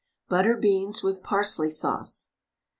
BUTTER BEANS WITH PARSLEY SAUCE.